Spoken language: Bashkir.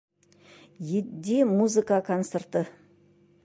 Етди музыка концерты